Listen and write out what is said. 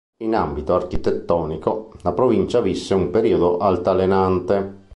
In ambito architettonico, la provincia visse un periodo altalenante.